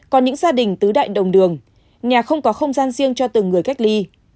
còn những gia đình tứ đại đồng đường nhà không có không gian riêng cho từng người cách ly